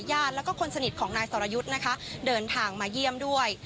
แล้วก็คนสนิทของนายสรยุทธ์นะคะเดินทางมาเยี่ยมด้วย